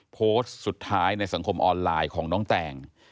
โพสต์สุดท้ายในสังคมออนไลน์ของน้องแตง